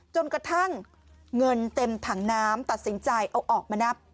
จนกระทั่งเงินเต็มถังน้ำตัดสินใจเอาออกมานับ